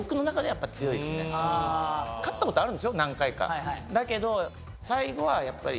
勝ったことあるんですよ何回か。